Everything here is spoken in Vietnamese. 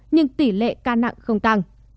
nhưng tỷ lệ ca nặng không tăng